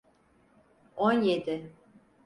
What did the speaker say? On yedi.